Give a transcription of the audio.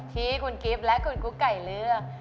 ที่คุณกิฟต์และคุณกุ๊กไก่เลือก